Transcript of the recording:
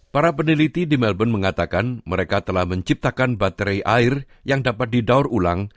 para peneliti di melbourne mengatakan mereka telah menciptakan baterai air yang dapat didaur ulang